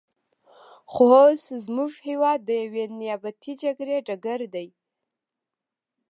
خو اوس زموږ هېواد د یوې نیابتي جګړې ډګر دی.